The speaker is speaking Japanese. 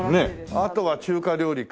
あとは中華料理か。